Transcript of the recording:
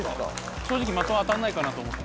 正直、的に当たらないかと思ってた。